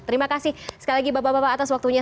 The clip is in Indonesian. terima kasih sekali lagi bapak bapak atas waktunya